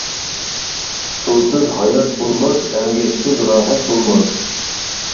سۇسىز ھايات بولماس ئەمگەكسىز راھەت بولماس.